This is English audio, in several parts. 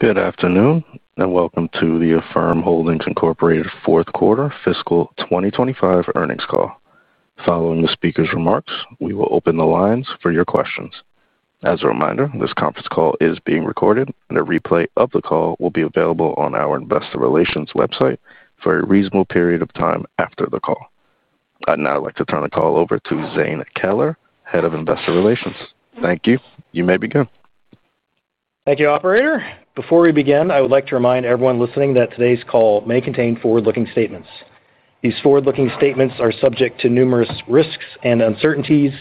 Good afternoon and welcome to the Affirm Holdings Incorporated 4th Quarter Fiscal 2025 Earnings Call. Following the speaker's remarks, we will open the lines for your questions. As a reminder, this conference call is being recorded, and a replay of the call will be available on our Investor Relations website for a reasonable period of time after the call. I'd now like to turn the call over to Zane Keller, Head of Investor Relations. Thank you. You may begin. Thank you, Operator. Before we begin, I would like to remind everyone listening that today's call may contain forward-looking statements. These forward-looking statements are subject to numerous risks and uncertainties,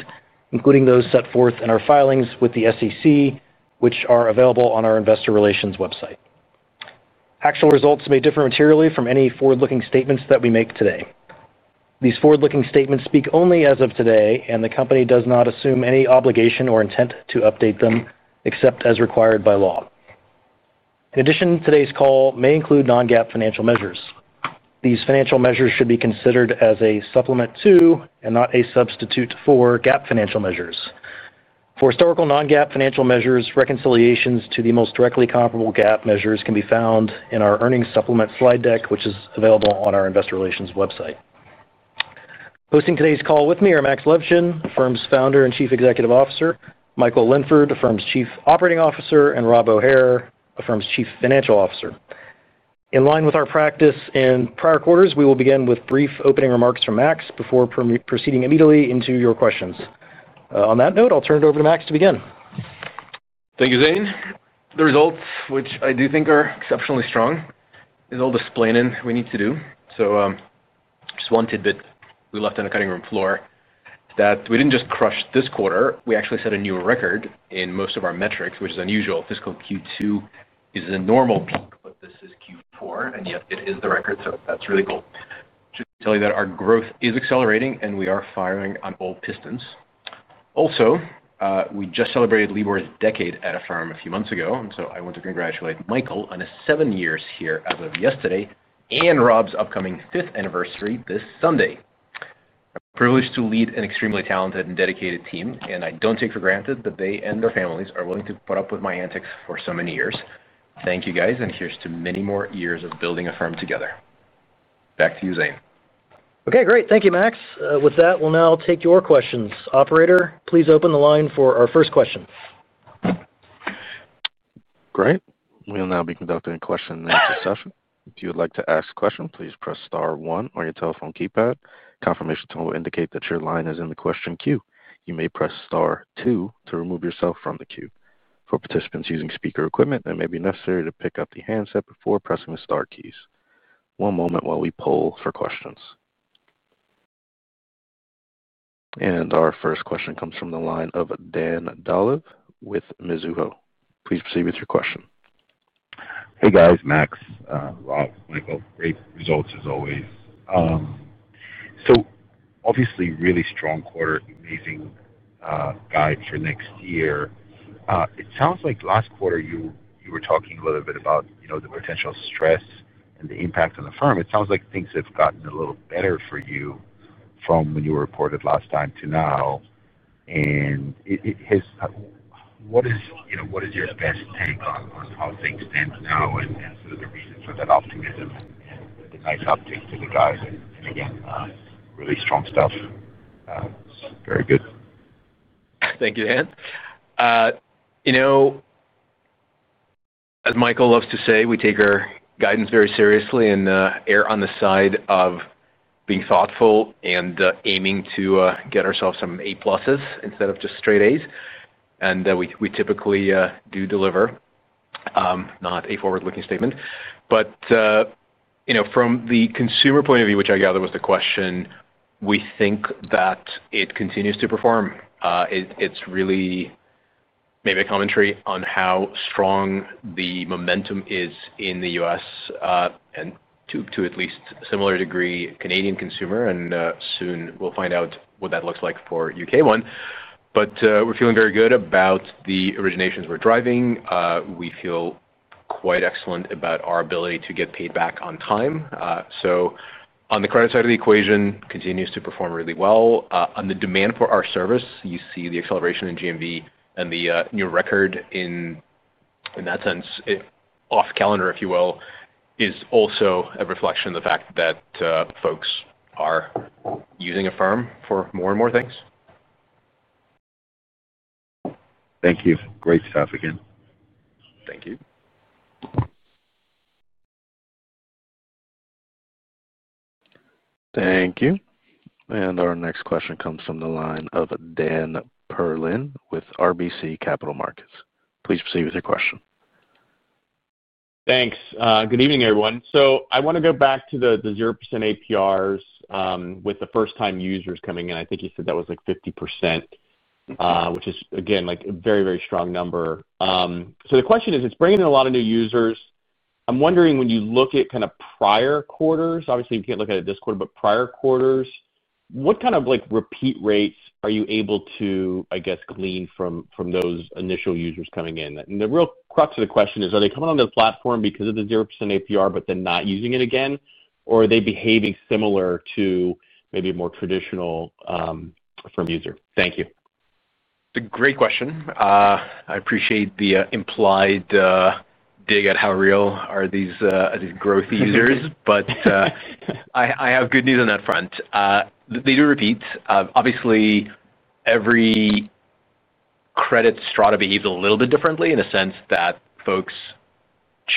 including those set forth in our filings with the SEC, which are available on our Investor Relations website. Actual results may differ materially from any forward-looking statements that we make today. These forward-looking statements speak only as of today, and the company does not assume any obligation or intent to update them except as required by law. In addition, today's call may include non-GAAP financial measures. These financial measures should be considered as a supplement to and not a substitute for GAAP financial measures. For historical non-GAAP financial measures, reconciliations to the most directly comparable GAAP measures can be found in our earnings supplement slide deck, which is available on our Investor Relations website. Hosting today's call with me are Max Levchin, Affirm's Founder and Chief Executive Officer, Michael Linford, Affirm's Chief Operating Officer, and Rob O'Hare, Affirm's Chief Financial Officer. In line with our practice in prior quarters, we will begin with brief opening remarks from Max before proceeding immediately into your questions. On that note, I'll turn it over to Max to begin. Thank you, Zane. The results, which I do think are exceptionally strong, are all the explaining we need to do. Just one tidbit we left on the cutting room floor is that we didn't just crush this quarter. We actually set a new record in most of our metrics, which is unusual. Fiscal Q2 is a normal peak, but this is Q4, and yet it is the record. That's really cool. I should tell you that our growth is accelerating and we are firing on all pistons. We just celebrated Libor's decade at Affirm a few months ago, and I want to congratulate Michael on his seven years here as of yesterday and Rob's upcoming fifth anniversary this Sunday. Privileged to lead an extremely talented and dedicated team, and I don't take for granted that they and their families are willing to put up with my antics for so many years. Thank you guys, and here's to many more years of building Affirm together. Back to you, Zane. Okay, great. Thank you, Max. With that, we'll now take your questions. Operator, please open the line for our first question. Great. We will now be conducting a question and answer session. If you would like to ask a question, please press star one on your telephone keypad. Confirmation will indicate that your line is in the question queue. You may press star two to remove yourself from the queue. For participants using speaker equipment, it may be necessary to pick up the handset before pressing the star keys. One moment while we poll for questions. Our first question comes from the line of Dan Dolev with Mizuho. Please proceed with your question. Hey guys, Max, Rob, Michael, great results as always. Obviously, really strong quarter, amazing guide for next year. It sounds like last quarter you were talking a little bit about the potential stress and the impact on the firm. It sounds like things have gotten a little better for you from when you reported last time to now. What is your best, any thought on how things stand now and some of the reasons for that optimism and the type of updates to the guys? Again, really strong stuff. Very good. Thank you, Dan. As Michael loves to say, we take our guidance very seriously and err on the side of being thoughtful and aiming to get ourselves some A+s instead of just straight As. We typically do deliver, not a forward-looking statement. From the consumer point of view, which I gather was the question, we think that it continues to perform. It's really maybe a commentary on how strong the momentum is in the U.S., and to at least a similar degree Canadian consumer. Soon we'll find out what that looks like for U.K. one. We're feeling very good about the originations we're driving. We feel quite excellent about our ability to get paid back on time. On the credit side of the equation, it continues to perform really well. On the demand for our service, you see the acceleration in GMV and the new record in that sense, off calendar, if you will, is also a reflection of the fact that folks are using Affirm for more and more things. Thank you. Great stuff again. Thank you. Thank you. Our next question comes from the line of Dan Perlin with RBC Capital Markets. Please proceed with your question. Thanks. Good evening, everyone. I want to go back to the 0% APRs, with the first-time users coming in. I think you said that was like 50%, which is again, like a very, very strong number. The question is, it's bringing in a lot of new users. I'm wondering, when you look at kind of prior quarters, obviously you can't look at it this quarter, but prior quarters, what kind of repeat rates are you able to, I guess, glean from those initial users coming in? The real crux of the question is, are they coming onto the platform because of the 0% APR, but they're not using it again? Or are they behaving similar to maybe a more traditional Affirm user? Thank you. Great question. I appreciate the implied dig at how real are these, are these growth users, but I have good news on that front. They do repeat. Obviously, every credit strata behaves a little bit differently in the sense that folks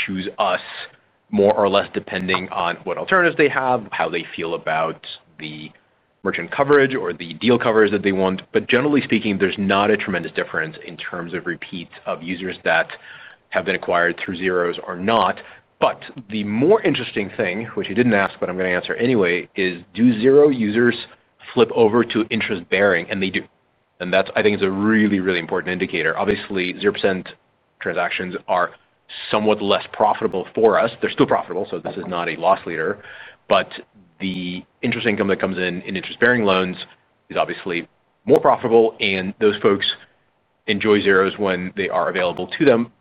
choose us more or less depending on what alternatives they have, how they feel about the merchant coverage or the deal covers that they want. Generally speaking, there's not a tremendous difference in terms of repeats of users that have been acquired through zeros or not. The more interesting thing, which you didn't ask, but I'm going to answer anyway, is do zero users flip over to interest bearing, and they do. That's, I think, a really, really important indicator. Obviously, 0% transactions are somewhat less profitable for us. They're still profitable, so this is not a loss leader. The interest income that comes in in interest bearing loans is obviously more profitable, and those folks enjoy zeros when they are available to them.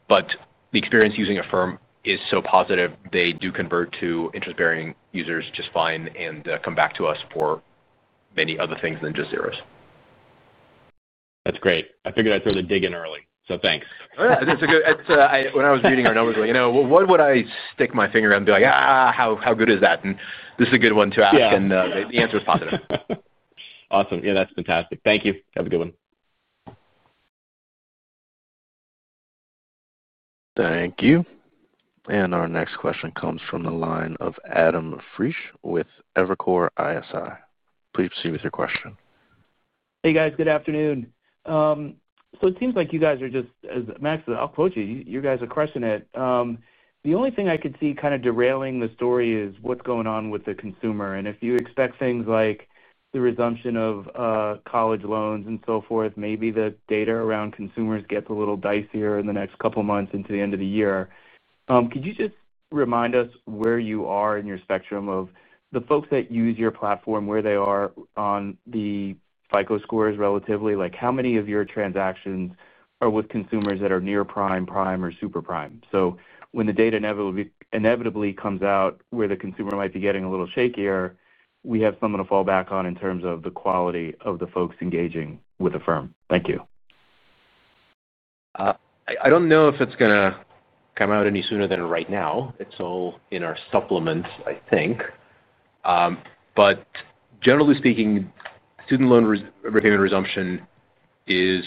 The experience using Affirm is so positive, they do convert to interest bearing users just fine and come back to us for many other things than just zeros. That's great. I figured I'd throw the dig in early, thanks. Yeah, I think it's a good, it's, when I was reading our numbers, like, you know, what would I stick my finger on and be like, how, how good is that? This is a good one to ask. The answer is positive. Awesome. Yeah, that's fantastic. Thank you. Have a good one. Thank you. Our next question comes from the line of Adam Friesch with Evercore ISI. Please proceed with your question. Hey guys, good afternoon. It seems like you guys are just, as Max said, I'll quote you, you guys are crushing it. The only thing I could see kind of derailing the story is what's going on with the consumer. If you expect things like the resumption of college loans and so forth, maybe the data around consumers gets a little dicier in the next couple of months into the end of the year. Could you just remind us where you are in your spectrum of the folks that use your platform, where they are on the FICO scores relatively, like how many of your transactions are with consumers that are near prime, prime, or super prime? When the data inevitably comes out where the consumer might be getting a little shakier, we have someone to fall back on in terms of the quality of the folks engaging with Affirm. Thank you. I don't know if it's going to come out any sooner than right now. It's all in our supplements, I think. Generally speaking, student loan repayment resumption is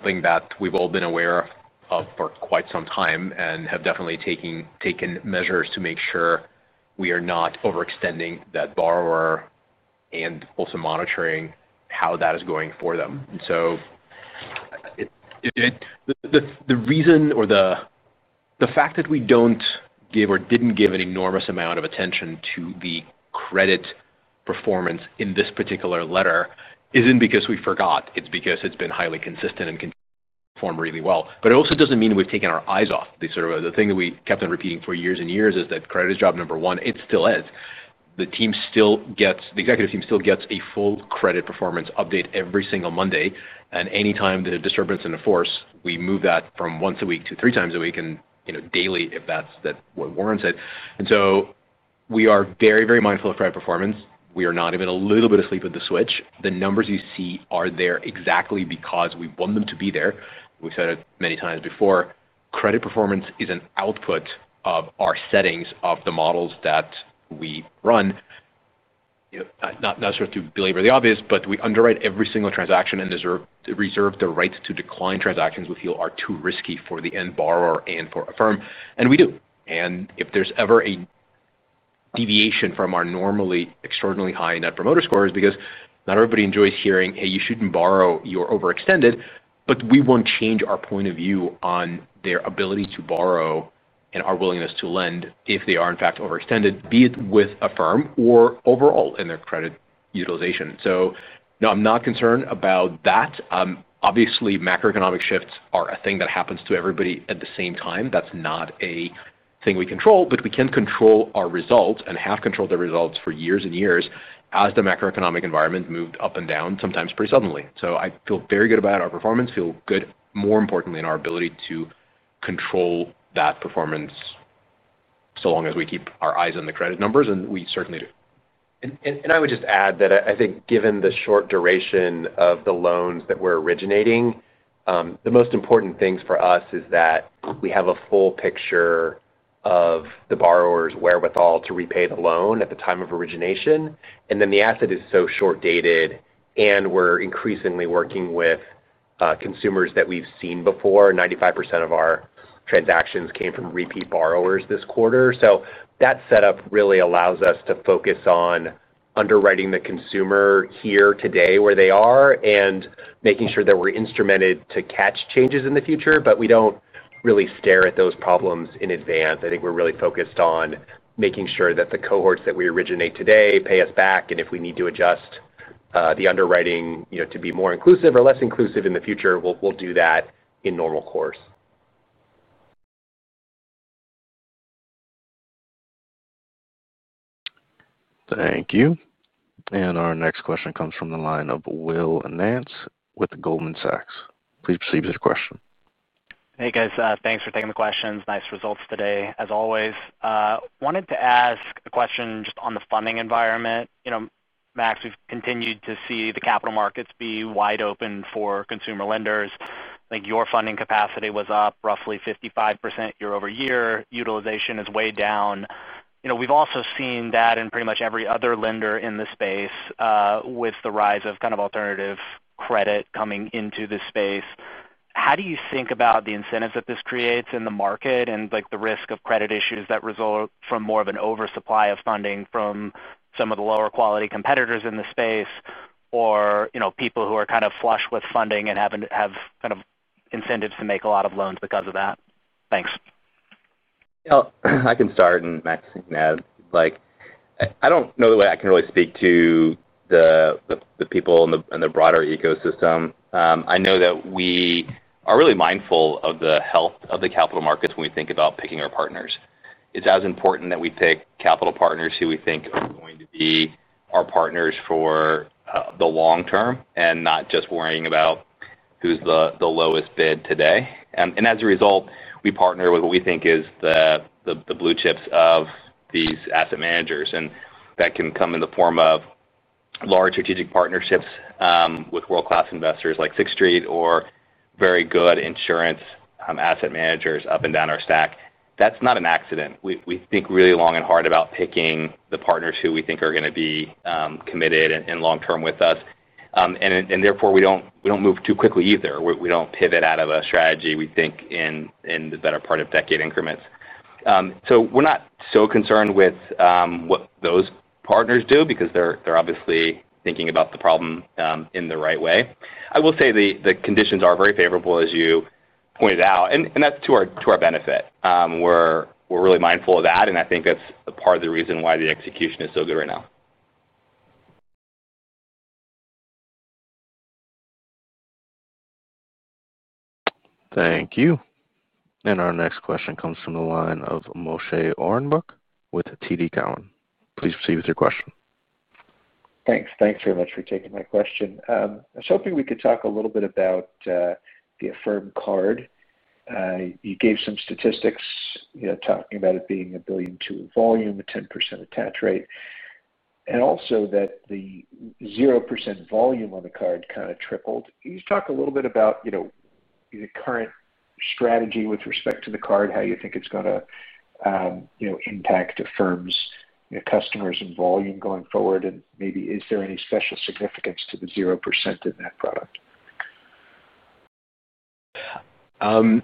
something that we've all been aware of for quite some time and have definitely taken measures to make sure we are not overextending that borrower and also monitoring how that is going for them. The reason or the fact that we don't give or didn't give an enormous amount of attention to the credit performance in this particular letter isn't because we forgot. It's because it's been highly consistent and can perform really well. It also doesn't mean we've taken our eyes off. The sort of the thing that we kept on repeating for years and years is that credit is job number one. It still is. The team still gets, the Executive Team still gets a full credit performance update every single Monday. Anytime the disturbance is in force, we move that from once a week to 3x a week and, you know, daily if that's what warrants it. We are very, very mindful of credit performance. We are not even a little bit asleep at the switch. The numbers you see are there exactly because we want them to be there. We said it many times before. Credit performance is an output of our settings of the models that we run. Not sure to belabor the obvious, but we underwrite every single transaction and reserve the rights to decline transactions we feel are too risky for the end borrower and for Affirm. We do. If there's ever a deviation from our normally extraordinarily high net promoter scores, because not everybody enjoys hearing, "Hey, you shouldn't borrow, you're overextended," we won't change our point of view on their ability to borrow and our willingness to lend if they are in fact overextended, be it with Affirm or overall in their credit utilization. No, I'm not concerned about that. Obviously, macroeconomic shifts are a thing that happens to everybody at the same time. That's not a thing we control, but we can control our results and have controlled the results for years and years as the macroeconomic environment moved up and down sometimes pretty suddenly. I feel very good about our performance, feel good more importantly in our ability to control that performance so long as we keep our eyes on the credit numbers, and we certainly do. I would just add that I think given the short duration of the loans that we're originating, the most important thing for us is that we have a full picture of the borrower's wherewithal to repay the loan at the time of origination. The asset is so short-dated and we're increasingly working with consumers that we've seen before. 95% of our transactions came from repeat borrowers this quarter. That setup really allows us to focus on underwriting the consumer here today where they are and making sure that we're instrumented to catch changes in the future. We don't really stare at those problems in advance. I think we're really focused on making sure that the cohorts that we originate today pay us back. If we need to adjust the underwriting, you know, to be more inclusive or less inclusive in the future, we'll do that in normal course. Thank you. Our next question comes from the line of Will Nance with Goldman Sachs. Please proceed with your question. Hey guys, thanks for taking the questions. Nice results today as always. I wanted to ask a question just on the funding environment. You know, Max, we've continued to see the capital markets be wide open for consumer lenders. I think your funding capacity was up roughly 55% year-over-year. Utilization is way down. We've also seen that in pretty much every other lender in this space, with the rise of kind of alternative credit coming into this space. How do you think about the incentives that this creates in the market and the risk of credit issues that result from more of an oversupply of funding from some of the lower quality competitors in the space or people who are kind of flush with funding and have kind of incentives to make a lot of loans because of that? Thanks. I can start and Max can add. I don't know that I can really speak to the people in the broader ecosystem. I know that we are really mindful of the health of the capital markets when we think about picking our partners. It's as important that we pick capital partners who we think are going to be our partners for the long term and not just worrying about who's the lowest bid today. As a result, we partner with what we think is the blue chips of these asset managers. That can come in the form of large strategic partnerships with world-class investors like Sixth Street or very good insurance asset managers up and down our stack. That's not an accident. We think really long and hard about picking the partners who we think are going to be committed and long-term with us. Therefore, we don't move too quickly either. We don't pivot out of a strategy. We think in the better part of decade increments. We're not so concerned with what those partners do because they're obviously thinking about the problem in the right way. I will say the conditions are very favorable as you pointed out, and that's to our benefit. We're really mindful of that, and I think that's part of the reason why the execution is so good right now. Thank you. Our next question comes from the line of Moshe Orenbach with TD Cowen. Please proceed with your question. Thanks. Thanks very much for taking my question. I was hoping we could talk a little bit about the Affirm Card. You gave some statistics, you know, talking about it being a billion to a volume, a 10% attach rate, and also that the 0% volume on the card kind of tripled. Can you talk a little bit about, you know, the current strategy with respect to the card, how you think it's going to, you know, impact Affirm's customers and volume going forward, and maybe is there any special significance to the 0% in that product? I'm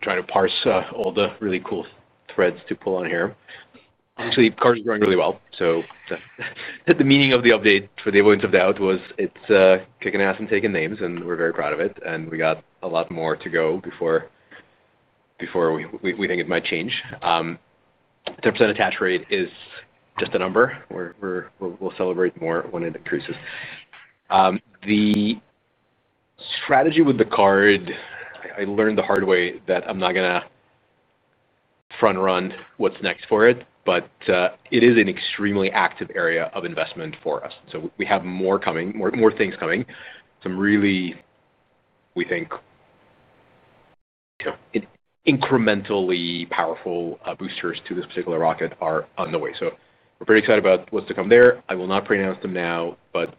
trying to parse all the really cool threads to pull on here. Obviously, the card's growing really well. The meaning of the update, for the avoidance of doubt, was it's kicking ass and taking names, and we're very proud of it. We got a lot more to go before we think it might change. 10% attach rate is just a number. We'll celebrate more when it increases. The strategy with the card, I learned the hard way that I'm not going to front run what's next for it, but it is an extremely active area of investment for us. We have more coming, more things coming. Some really, we think, incrementally powerful boosters to this particular rocket are on the way. We're pretty excited about what's to come there. I will not pronounce them now, but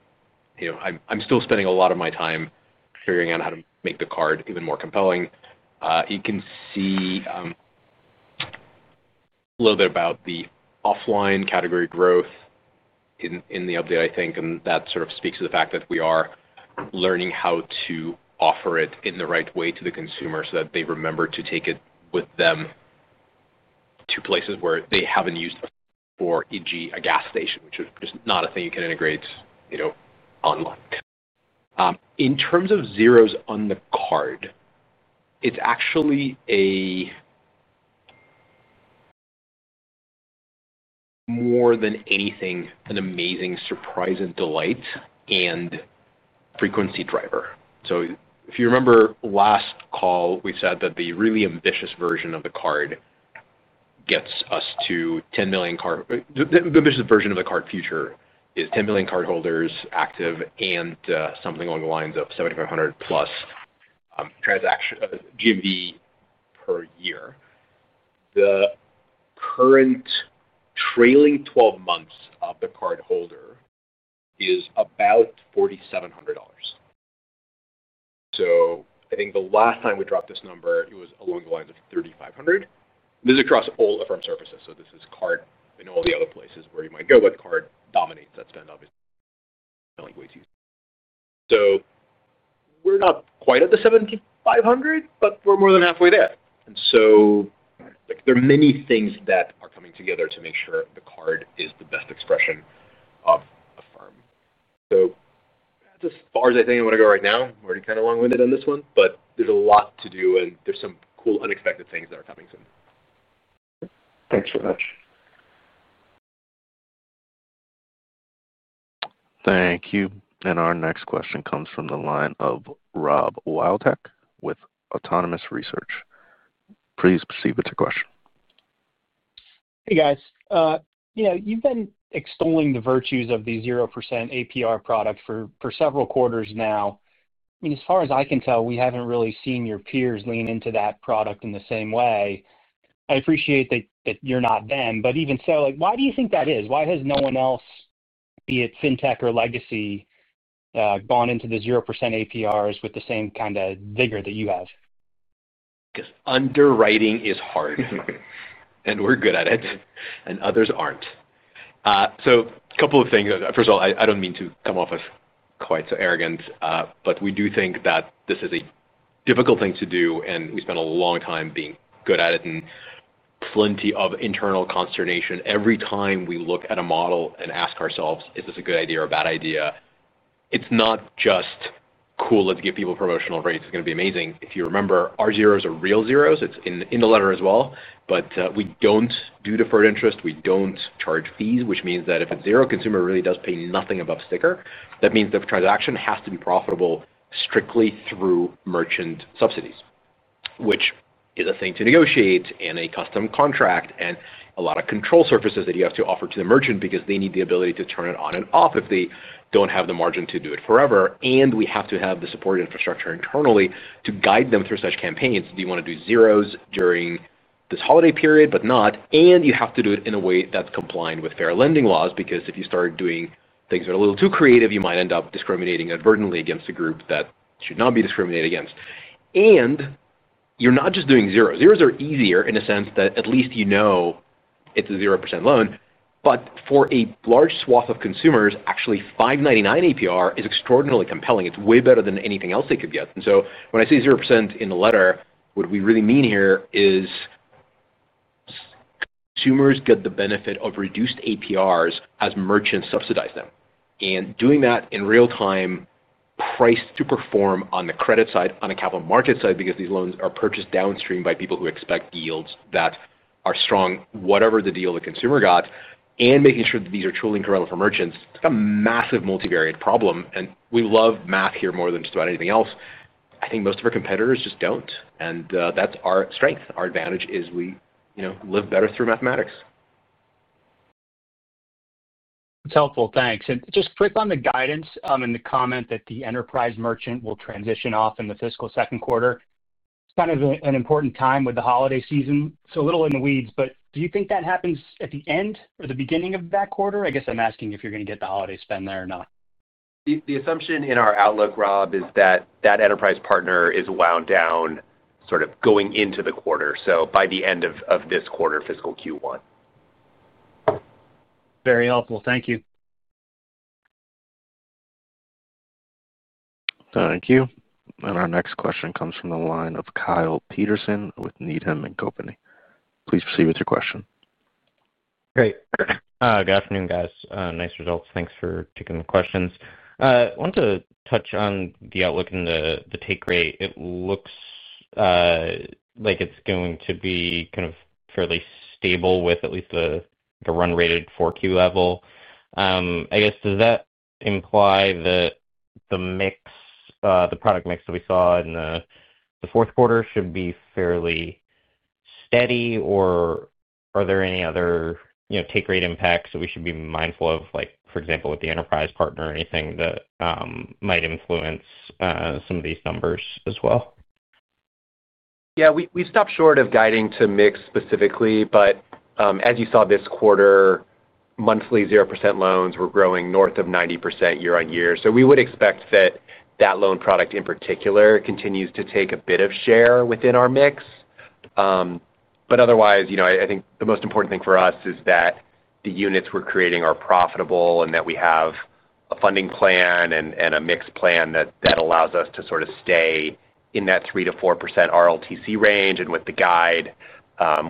you know, I'm still spending a lot of my time figuring out how to make the card even more compelling. You can see a little bit about the offline category growth in the update, I think, and that sort of speaks to the fact that we are learning how to offer it in the right way to the consumer so that they remember to take it with them to places where they haven't used it, e.g., a gas station, which is just not a thing you can integrate, you know, online. In terms of zeros on the card, it's actually, more than anything, an amazing surprise and delight and frequency driver. If you remember last call, we said that the really ambitious version of the card gets us to 10 million card. The ambitious version of the card future is 10 million card holders active and something along the lines of $7,500+ GMV per year. The current trailing 12 months of the card holder is about $4,700. I think the last time we dropped this number, it was along the lines of $3,500. This is across all Affirm services. This is card and all the other places where you might go, but card dominates that spend obviously. We're not quite at the $7,500, but we're more than halfway there. There are many things that are coming together to make sure the card is the best expression of Affirm. That's as far as I think I want to go right now. I'm already kind of long-winded on this one, but there's a lot to do and there's some cool unexpected things that are coming soon. Thank you for that. Thank you. Our next question comes from the line of Rob Wildhack with Autonomous Research. Please proceed with your question. Hey guys. You've been extolling the virtues of the 0% APR product for several quarters now. As far as I can tell, we haven't really seen your peers lean into that product in the same way. I appreciate that you're not them, but even so, why do you think that is? Why has no one else, be it fintech or legacy, gone into the 0% APRs with the same kind of vigor that you have? Underwriting is hard. We're good at it. Others aren't. A couple of things. First of all, I don't mean to come off as quite so arrogant, but we do think that this is a difficult thing to do, and we spent a long time being good at it. Plenty of internal consternation every time we look at a model and ask ourselves, is this a good idea or a bad idea? It's not just, cool, let's give people promotional rates, it's going to be amazing. If you remember, our zeros are real zeros, it's in the letter as well. We don't do deferred interest, we don't charge fees, which means that if a zero consumer really does pay nothing above sticker, that means the transaction has to be profitable strictly through merchant subsidies, which is a thing to negotiate in a custom contract and a lot of control surfaces that you have to offer to the merchant because they need the ability to turn it on and off if they don't have the margin to do it forever. We have to have the support infrastructure internally to guide them through such campaigns. Do you want to do zeros during this holiday period, but not? You have to do it in a way that's compliant with fair lending laws because if you start doing things that are a little too creative, you might end up discriminating inadvertently against a group that should not be discriminated against. You're not just doing zeros. Zeros are easier in the sense that at least you know it's a 0% loan. For a large swath of consumers, actually 5.99% APR is extraordinarily compelling. It's way better than anything else they could get. When I say 0% in the letter, what we really mean here is consumers get the benefit of reduced APRs as merchants subsidize them. Doing that in real time, priced to perform on the credit side, on the capital market side, because these loans are purchased downstream by people who expect yields that are strong, whatever the deal the consumer got. Making sure that these are truly incurable for merchants, it's got a massive multivariate problem. We love math here more than just about anything else. I think most of our competitors just don't. That's our strength. Our advantage is we, you know, live better through mathematics. That's helpful. Thanks. Just quick on the guidance and the comment that the enterprise merchant will transition off in the fiscal second quarter. Kind of an important time with the holiday season. It's a little in the weeds, but do you think that happens at the end or the beginning of that quarter? I guess I'm asking if you're going to get the holiday spend there or not. The assumption in our outlook, Rob, is that that enterprise partner is wound down going into the quarter, so by the end of this quarter, fiscal Q1. Very helpful. Thank you. Thank you. Our next question comes from the line of Kyle Peterson with Needham & Company. Please proceed with your question. Great. Good afternoon, guys. Nice results. Thanks for taking the questions. I want to touch on the outlook and the take rate. It looks like it's going to be kind of fairly stable with at least the run rated 4Q level. Does that imply that the mix, the product mix that we saw in the fourth quarter should be fairly steady, or are there any other take rate impacts that we should be mindful of, like, for example, with the enterprise partner or anything that might influence some of these numbers as well? Yeah, we stopped short of guiding to mix specifically, but as you saw this quarter, monthly 0% APR loans were growing north of 90% year on year. We would expect that that loan product in particular continues to take a bit of share within our mix. Otherwise, I think the most important thing for us is that the units we're creating are profitable and that we have a funding plan and a mix plan that allows us to sort of stay in that 3%-4% RLTC range. With the guide,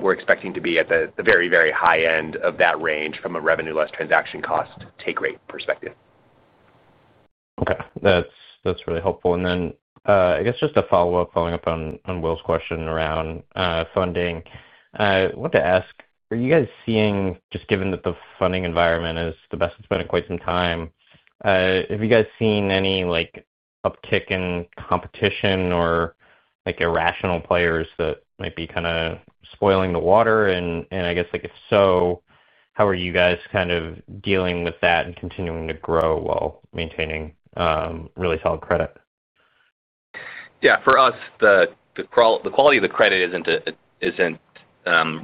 we're expecting to be at the very, very high end of that range from a revenue less transaction cost take rate perspective. Okay, that's really helpful. I guess just a follow-up, following up on Will's question around funding. I want to ask, are you guys seeing, just given that the funding environment is the best it's been in quite some time, have you guys seen any uptick in competition or irrational players that might be kind of spoiling the water? If so, how are you guys kind of dealing with that and continuing to grow while maintaining really solid credit? Yeah, for us, the quality of the credit isn't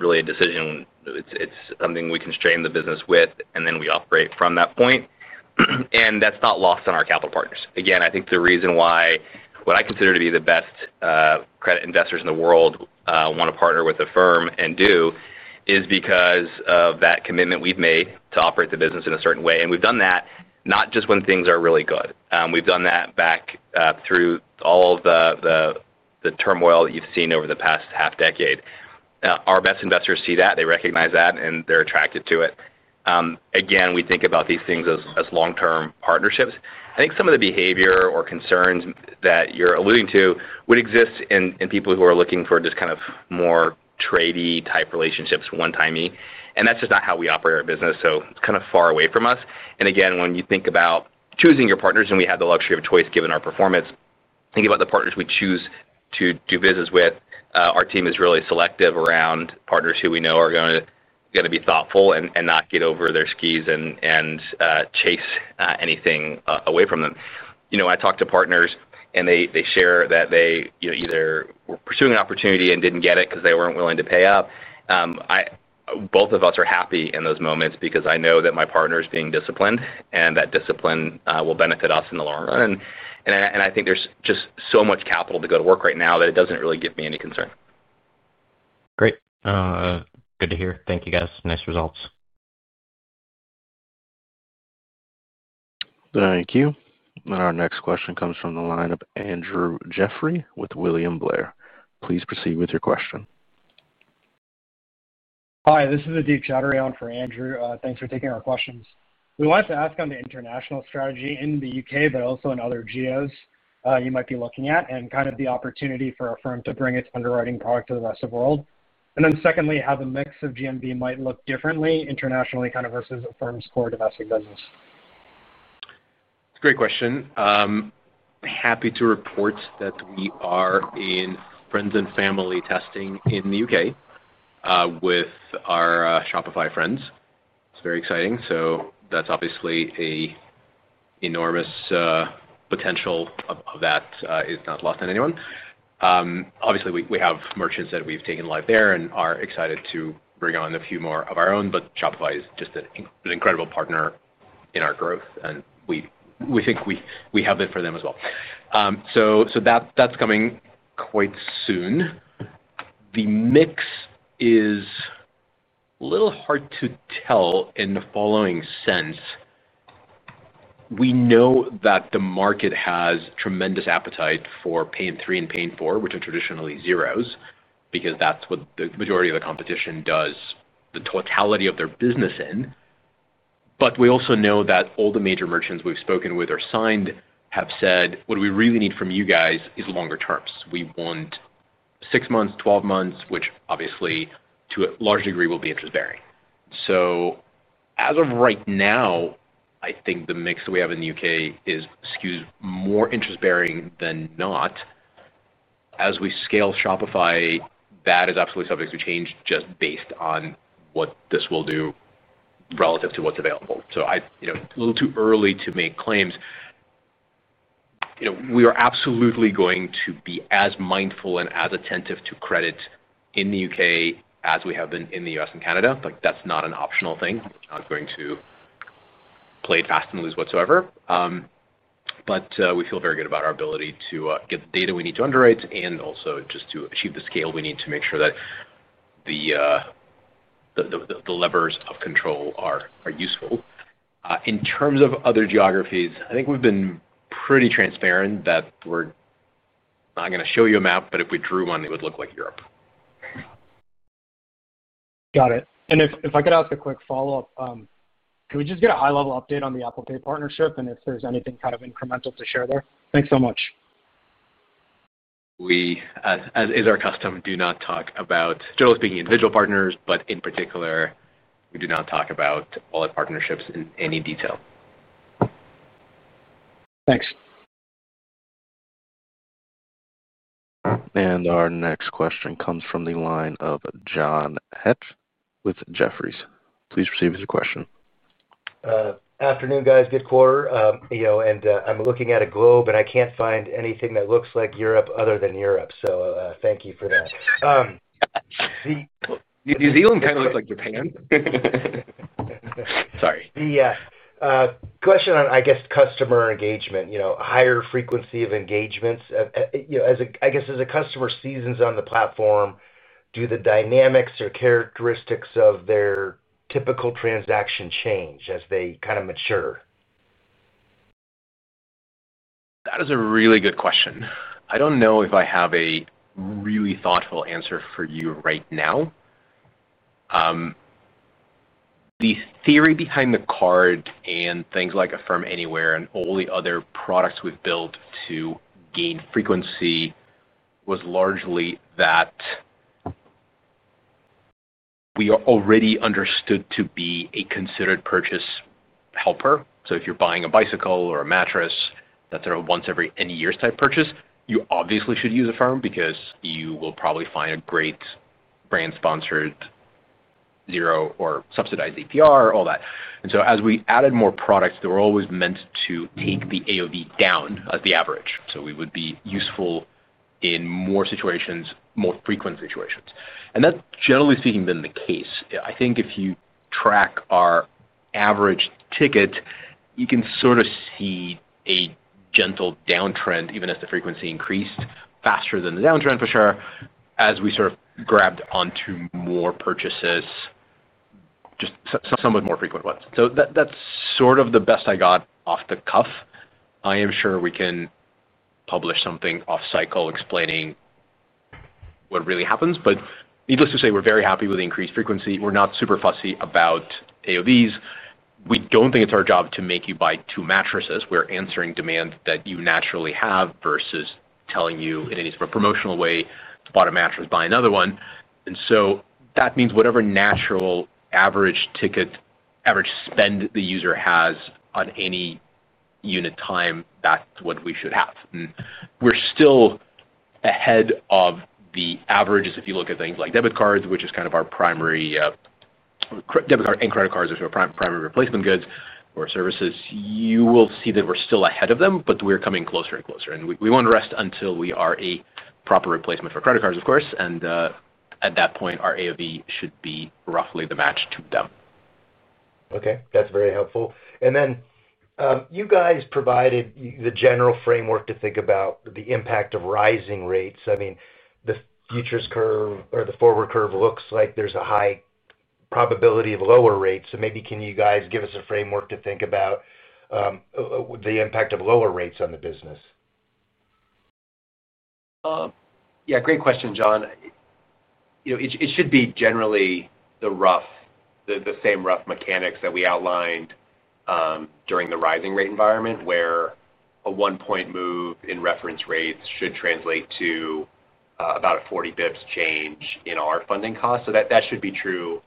really a decision. It's something we constrain the business with, and then we operate from that point. That's not lost on our capital partners. I think the reason why what I consider to be the best credit investors in the world want to partner with Affirm and do is because of that commitment we've made to operate the business in a certain way. We've done that not just when things are really good. We've done that back through all of the turmoil that you've seen over the past half decade. Our best investors see that. They recognize that, and they're attracted to it. We think about these things as long-term partnerships. I think some of the behavior or concerns that you're alluding to would exist in people who are looking for just kind of more tradie type relationships, 1x. That's just not how we operate our business. It's kind of far away from us. When you think about choosing your partners, and we have the luxury of a choice given our performance, think about the partners we choose to do business with. Our team is really selective around partners who we know are going to be thoughtful and not get over their skis and chase anything away from them. When I talk to partners and they share that they either were pursuing an opportunity and didn't get it because they weren't willing to pay up, both of us are happy in those moments because I know that my partner is being disciplined and that discipline will benefit us in the long run. I think there's just so much capital to go to work right now that it doesn't really give me any concern. Great. Good to hear. Thank you, guys. Nice results. Thank you. Our next question comes from the line of Andrew Jeffrey with William Blair. Please proceed with your question. Hi, this is Adib Chattery on for Andrew. Thanks for taking our questions. We wanted to ask on the international strategy in the U.K., but also in other geos you might be looking at and kind of the opportunity for Affirm to bring its underwriting product to the rest of the world. Secondly, how the mix of GMV might look differently internationally versus Affirm's core domestic business. It's a great question. I'm happy to report that we are in friends and family testing in the U.K. with our Shopify friends. It's very exciting. That's obviously an enormous potential that is not lost on anyone. We have merchants that we've taken live there and are excited to bring on a few more of our own. Shopify is just an incredible partner in our growth, and we think we have it for them as well. That's coming quite soon. The mix is a little hard to tell in the following sense. We know that the market has tremendous appetite for Pay in 3 and Pay in 4, which are traditionally 0% because that's what the majority of the competition does the totality of their business in. We also know that all the major merchants we've spoken with or signed have said, "What we really need from you guys is longer terms. We want six months, 12 months," which obviously to a large degree will be interest bearing. As of right now, I think the mix that we have in the U.K. is, excuse me, more interest bearing than not. As we scale Shopify, that is absolutely subject to change just based on what this will do relative to what's available. It's a little too early to make claims. We are absolutely going to be as mindful and as attentive to credit in the U.K. as we have been in the U.S. and Canada. That's not an optional thing. We're not going to play it fast and loose whatsoever. We feel very good about our ability to get the data we need to underwrite and also just to achieve the scale we need to make sure that the levers of control are useful. In terms of other geographies, I think we've been pretty transparent that we're not going to show you a map, but if we drew one, it would look like Europe. Got it. If I could ask a quick follow-up, could we just get a high-level update on the Apple Pay partnership and if there's anything kind of incremental to share there? Thanks so much. We, as is our custom, do not talk about, still speaking to individual partners, but in particular, we do not talk about all our partnerships in any detail. Thanks. Our next question comes from the line of John Hett with Jefferies. Please proceed with your question. Afternoon, guys. Good quarter. I'm looking at a globe and I can't find anything that looks like Europe other than Europe. Thank you for that. See, New Zealand kind of looks like Japan. Sorry. Yeah. Question on, I guess, customer engagement, you know, higher frequency of engagements. As a customer seasons on the platform, do the dynamics or characteristics of their typical transaction change as they kind of mature? That is a really good question. I don't know if I have a really thoughtful answer for you right now. The theory behind the card and things like Affirm Anywhere and all the other products we've built to gain frequency was largely that we are already understood to be a considered purchase helper. If you're buying a bicycle or a mattress, that's sort of a once every N years type purchase, you obviously should use Affirm because you will probably find a great brand-sponsored zero or subsidized APR, all that. As we added more products, they were always meant to take the AOV down at the average. We would be useful in more situations, more frequent situations. That's generally speaking been the case. I think if you track our average ticket, you can sort of see a gentle downtrend, even as the frequency increased faster than the downtrend for sure, as we sort of grabbed onto more purchases, just some with more frequent ones. That's sort of the best I got off the cuff. I am sure we can publish something off cycle explaining what really happens, but needless to say, we're very happy with the increased frequency. We're not super fussy about AOVs. We don't think it's our job to make you buy two mattresses. We're answering demand that you naturally have versus telling you in any sort of promotional way, "Buy a mattress, buy another one." That means whatever natural average ticket, average spend the user has on any unit time, that's what we should have. We're still ahead of the averages. If you look at things like debit cards, which is kind of our primary, debit card and credit cards, which are our primary replacement goods or services, you will see that we're still ahead of them, but we're coming closer and closer. We won't rest until we are a proper replacement for credit cards, of course. At that point, our AOV should be roughly the match to them. Okay, that's very helpful. You guys provided the general framework to think about the impact of rising rates. The futures curve or the forward curve looks like there's a high probability of lower rates. Can you guys give us a framework to think about the impact of lower rates on the business? Yeah, great question, John. It should be generally the same rough mechanics that we outlined during the rising rate environment where a one-point move in reference rates should translate to about a 40 bps change in our funding costs. That should be true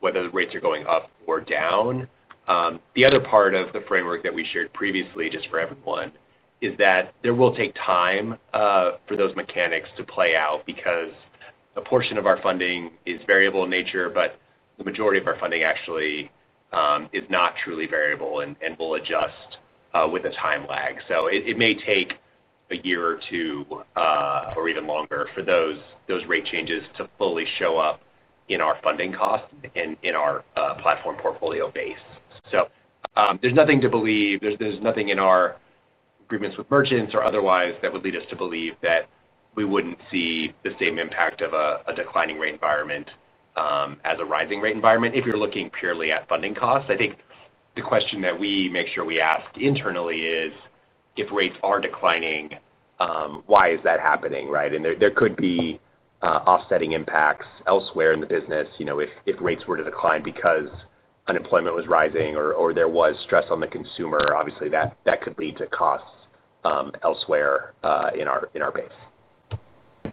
whether rates are going up or down. The other part of the framework that we shared previously, just for everyone, is that it will take time for those mechanics to play out because a portion of our funding is variable in nature, but the majority of our funding actually is not truly variable and will adjust with a time lag. It may take a year or two or even longer for those rate changes to fully show up in our funding costs and in our platform portfolio base. There is nothing in our agreements with merchants or otherwise that would lead us to believe that we wouldn't see the same impact of a declining rate environment as a rising rate environment if you're looking purely at funding costs. I think the question that we make sure we ask internally is if rates are declining, why is that happening, right? There could be offsetting impacts elsewhere in the business. If rates were to decline because unemployment was rising or there was stress on the consumer, obviously that could lead to costs elsewhere in our base.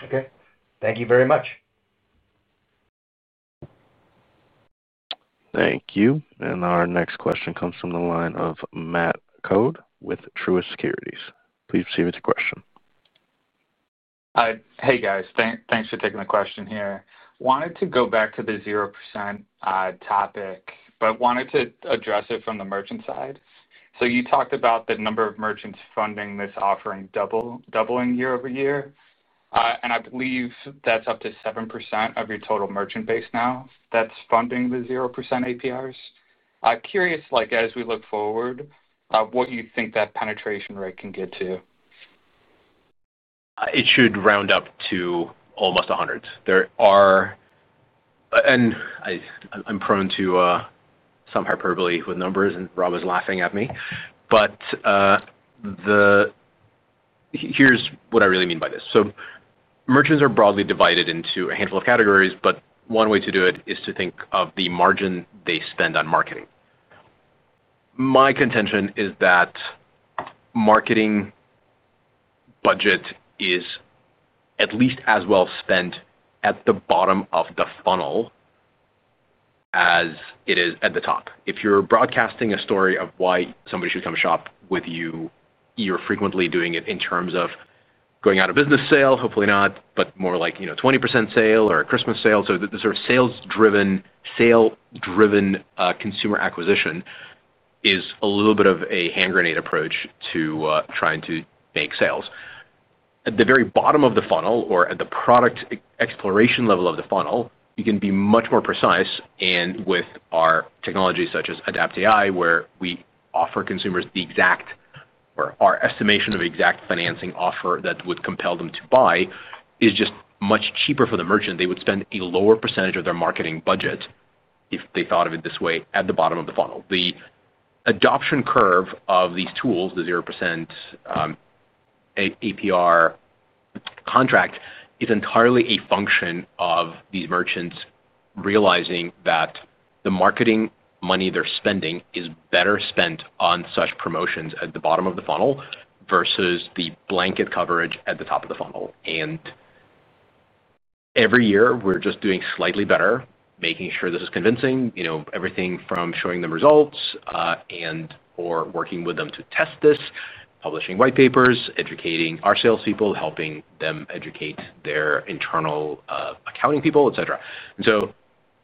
Okay, thank you very much. Thank you. Our next question comes from the line of Matt Code with Truist Securities. Please proceed with your question. Hey guys, thanks for taking the question here. Wanted to go back to the 0% topic, but wanted to address it from the merchant side. You talked about the number of merchants funding this offering doubling year-over-year. I believe that's up to 7% of your total merchant base now that's funding the 0% APRs. Curious, as we look forward, what you think that penetration rate can get to. It should round up to almost 100. There are, and I'm prone to some hyperbole with numbers, and Rob is laughing at me, but here's what I really mean by this. Merchants are broadly divided into a handful of categories, but one way to do it is to think of the margin they spend on marketing. My contention is that marketing budget is at least as well spent at the bottom of the funnel as it is at the top. If you're broadcasting a story of why somebody should come shop with you, you're frequently doing it in terms of going out of business sale, hopefully not, but more like, you know, 20% sale or a Christmas sale. The sort of sales-driven, sale-driven consumer acquisition is a little bit of a hand grenade approach to trying to make sales. At the very bottom of the funnel or at the product exploration level of the funnel, you can be much more precise. With our technology such as Adapt AI, where we offer consumers the exact, or our estimation of exact financing offer that would compel them to buy, it is just much cheaper for the merchant. They would spend a lower percentage of their marketing budget if they thought of it this way at the bottom of the funnel. The adoption curve of these tools, the 0% APR contract, is entirely a function of these merchants realizing that the marketing money they're spending is better spent on such promotions at the bottom of the funnel versus the blanket coverage at the top of the funnel. Every year, we're just doing slightly better, making sure this is convincing, everything from showing them results and/or working with them to test this, publishing white papers, educating our salespeople, helping them educate their internal accounting people, etc.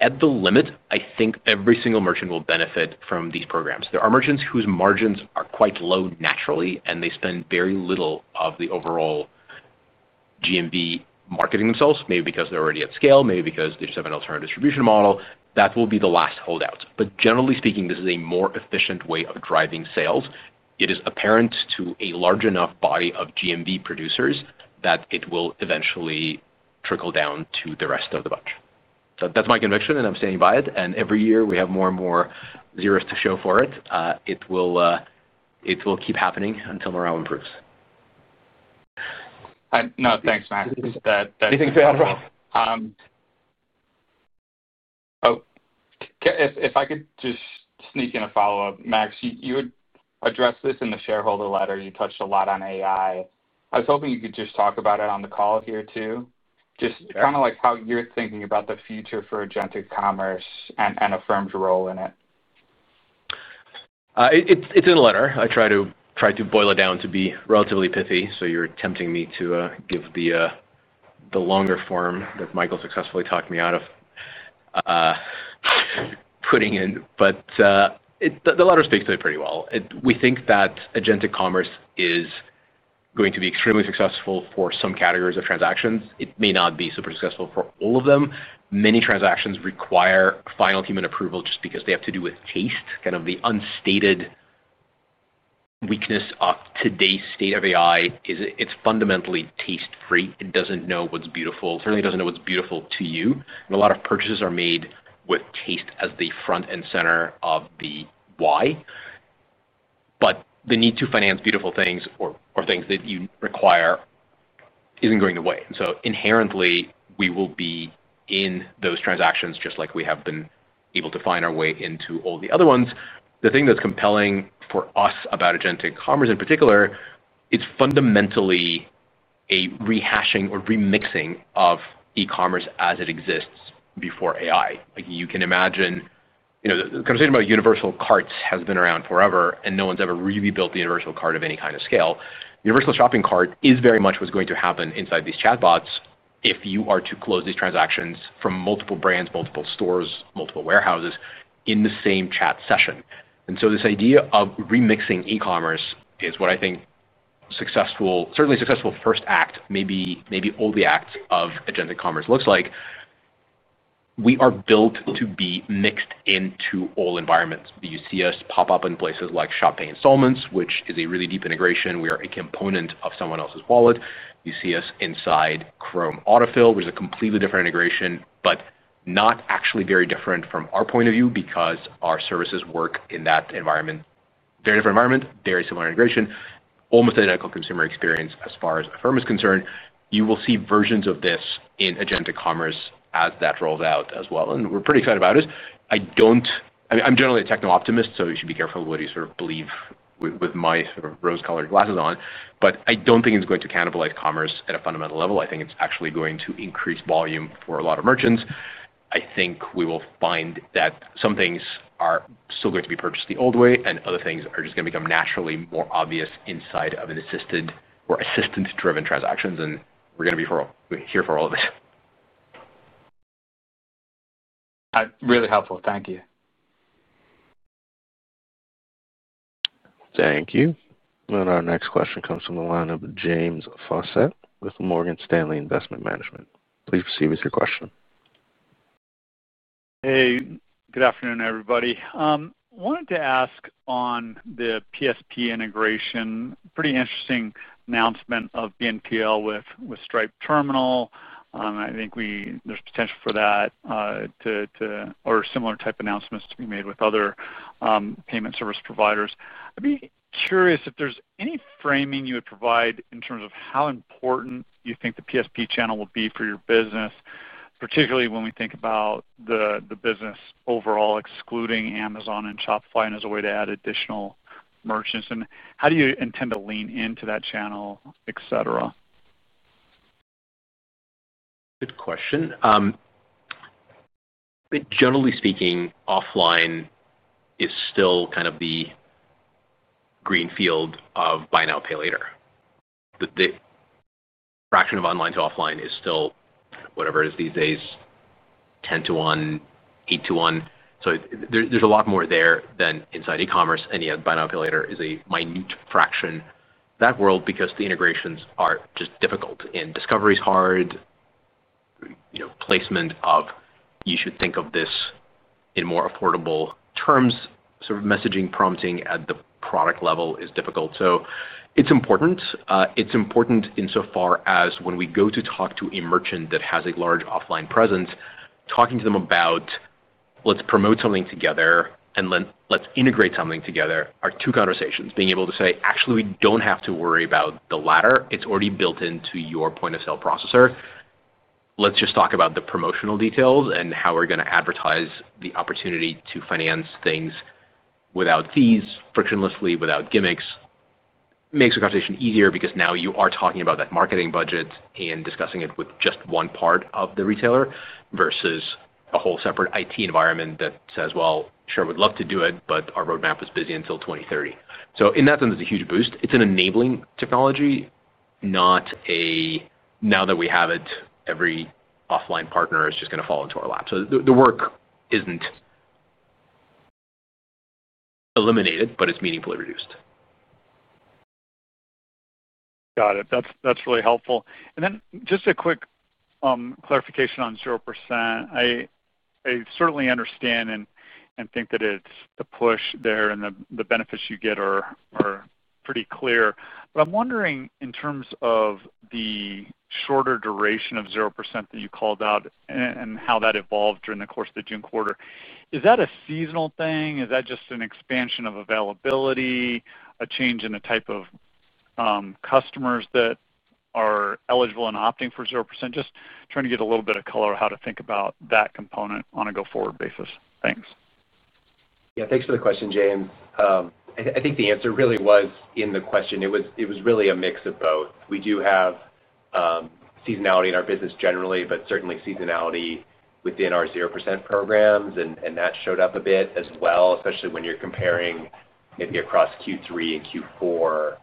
At the limit, I think every single merchant will benefit from these programs. There are merchants whose margins are quite low naturally, and they spend very little of the overall GMV marketing themselves, maybe because they're already at scale, maybe because they just have an alternative distribution model. That will be the last holdout. Generally speaking, this is a more efficient way of driving sales. It is apparent to a large enough body of GMV producers that it will eventually trickle down to the rest of the bunch. That's my conviction, and I'm standing by it. Every year we have more and more zeros to show for it. It will keep happening until morale improves. No, thanks, Max. Anything to add, Rob? Oh, if I could just sneak in a follow-up, Max, you had addressed this in the shareholder letter. You touched a lot on AI. I was hoping you could just talk about it on the call here too, just kind of like how you're thinking about the future for agentic commerce and Affirm's role in it. It's in a letter. I try to boil it down to be relatively pithy. You're tempting me to give the longer form that Michael successfully talked me out of putting in. The letter speaks to it pretty well. We think that agentic commerce is going to be extremely successful for some categories of transactions. It may not be super successful for all of them. Many transactions require final human approval just because they have to do with taste. Kind of the unstated weakness of today's state of AI is it's fundamentally taste-free. It doesn't know what's beautiful. It certainly doesn't know what's beautiful to you. A lot of purchases are made with taste as the front and center of the why. The need to finance beautiful things or things that you require isn't going away. Inherently, we will be in those transactions just like we have been able to find our way into all the other ones. The thing that's compelling for us about agentic commerce in particular is it's fundamentally a rehashing or remixing of e-commerce as it exists before AI. You can imagine, the conversation about universal carts has been around forever and no one's ever really built the universal cart of any kind of scale. Universal shopping cart is very much what's going to happen inside these chatbots if you are to close these transactions from multiple brands, multiple stores, multiple warehouses in the same chat session. This idea of remixing e-commerce is what I think successful, certainly successful first act, maybe all the acts of agentic commerce looks like. We are built to be mixed into all environments. You see us pop up in places like ShopPay installments, which is a really deep integration. We are a component of someone else's wallet. You see us inside Chrome autofill, which is a completely different integration, but not actually very different from our point of view because our services work in that environment. Very different environment, very similar integration, almost identical consumer experience as far as Affirm is concerned. You will see versions of this in agentic commerce as that rolls out as well. We're pretty excited about it. I mean, I'm generally a techno optimist, so you should be careful what you sort of believe with my sort of rose-colored glasses on. I don't think it's going to cannibalize commerce at a fundamental level. I think it's actually going to increase volume for a lot of merchants. We will find that some things are still going to be purchased the old way and other things are just going to become naturally more obvious inside of an assisted or assistance-driven transactions. We're going to be here for all of it. Really helpful. Thank you. Thank you. Our next question comes from the line of James Fossett with Morgan Stanley Investment Management. Please proceed with your question. Hey, good afternoon everybody. I wanted to ask on the PSP integration, pretty interesting announcement of BNPL with Stripe Terminal. I think there's potential for that to, or similar type announcements to be made with other payment service providers. I'd be curious if there's any framing you would provide in terms of how important you think the PSP channel will be for your business, particularly when we think about the business overall excluding Amazon and Shopify as a way to add additional merchants. How do you intend to lean into that channel, et cetera? Good question. Generally speaking, offline is still kind of the greenfield of buy now, pay later. The fraction of online to offline is still whatever it is these days, 10 to 1, 8 to 1. There is a lot more there than inside e-commerce. Yet buy now, pay later is a minute fraction of that world because the integrations are just difficult. Discovery is hard. Placement of you should think of this in more affordable terms, sort of messaging prompting at the product level, is difficult. It is important. It is important insofar as when we go to talk to a merchant that has a large offline presence, talking to them about let's promote something together and let's integrate something together are two conversations. Being able to say, actually, we don't have to worry about the latter, it's already built into your point of sale processor, let's just talk about the promotional details and how we're going to advertise the opportunity to finance things without fees, frictionlessly, without gimmicks, makes the conversation easier because now you are talking about that marketing budget and discussing it with just one part of the retailer versus a whole separate IT environment that says, sure, we'd love to do it, but our roadmap is busy until 2030. In that sense, it's a huge boost. It's an enabling technology, not a now that we have it, every offline partner is just going to fall into our lap. The work isn't eliminated, but it's meaningfully reduced. Got it. That's really helpful. Just a quick clarification on 0%. I certainly understand and think that the push there and the benefits you get are pretty clear. I'm wondering, in terms of the shorter duration of 0% that you called out and how that evolved during the course of the June quarter, is that a seasonal thing? Is that just an expansion of availability, a change in the type of customers that are eligible and opting for 0%? Just trying to get a little bit of color of how to think about that component on a go-forward basis. Thanks. Yeah, thanks for the question, James. I think the answer really was in the question. It was really a mix of both. We do have seasonality in our business generally, but certainly seasonality within our 0% programs, and that showed up a bit as well, especially when you're comparing maybe across Q3 and Q4.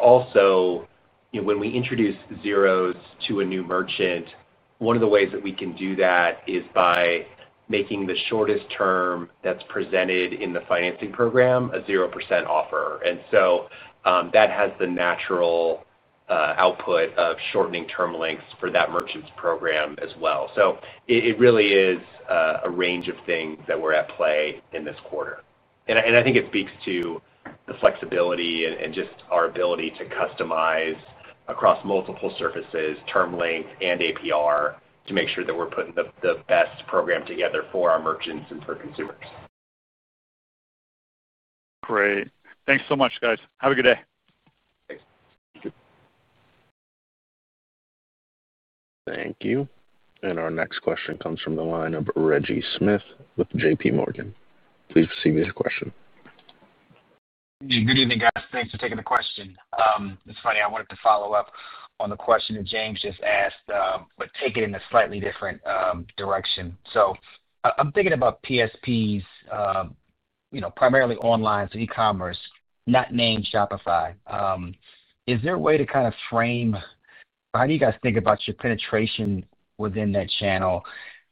Also, when we introduce zeros to a new merchant, one of the ways that we can do that is by making the shortest term that's presented in the financing program a 0% offer. That has the natural output of shortening term lengths for that merchant's program as well. It really is a range of things that were at play in this quarter. I think it speaks to the flexibility and just our ability to customize across multiple surfaces, term length, and APR to make sure that we're putting the best program together for our merchants and for consumers. Great. Thanks so much, guys. Have a good day. Thank you. Our next question comes from the line of Reggie Smith with JPMorgan. Please proceed with your question. Good evening, guys. Thanks for taking the question. This Friday, I wanted to follow up on the question that James just asked, but take it in a slightly different direction. I'm thinking about PSPs, you know, primarily online, so e-commerce, not named Shopify. Is there a way to kind of frame, or how do you guys think about your penetration within that channel